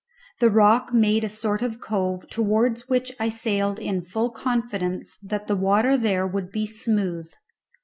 The rock made a sort of cove, towards which I sailed in full confidence that the water there would be smooth.